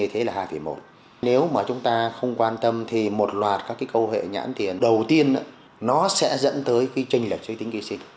tỷ xuất sinh về mức sinh như thế là hai một nếu mà chúng ta không quan tâm thì một loạt các câu hệ nhãn tiền đầu tiên nó sẽ dẫn tới trình lệch truy tính kỳ sinh